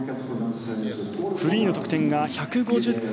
フリーの得点が１５０．９６。